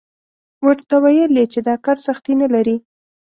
ورته ویل یې چې دا کار سختي نه لري.